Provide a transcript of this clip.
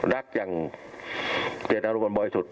รักอย่างเจ็ดอารมณ์บ่นบ่อยสุด